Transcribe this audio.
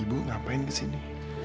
ibu ngapain kesini